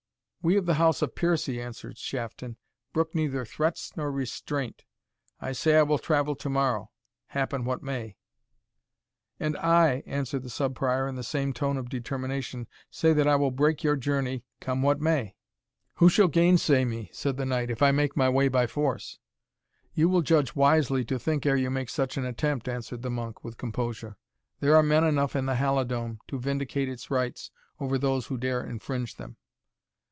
"We of the house of Piercie," answered Shafton, "brook neither threats nor restraint I say I will travel to morrow, happen what may!" "And I," answered the Sub Prior, in the same tone of determination, "say that I will break your journey, come what may!" "Who shall gainsay me," said the knight, "if I make my way by force?" "You will judge wisely to think ere you make such an attempt," answered the monk, with composure; "there are men enough in the Halidome to vindicate its rights over those who dare infringe them."